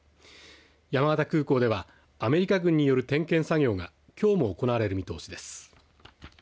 山形空港ではアメリカ軍による点検作業がきょうも行われる見通しです。